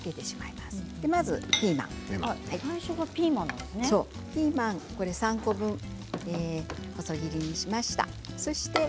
まずピーマンを３個分細切りにしました。